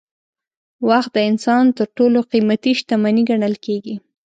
وخت د انسان تر ټولو قیمتي شتمني ګڼل کېږي.